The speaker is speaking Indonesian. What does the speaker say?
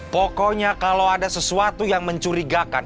pokoknya kalau ada sesuatu yang mencurigakan